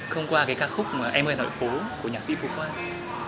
không qua cái ca khúc em ơi hà nội phố của nhạc sĩ phú quang